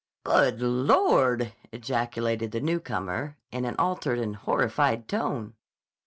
"Good Lord!" ejaculated the newcomer in an altered and horrified tone.